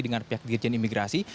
dengan pihak dirjen imigrasi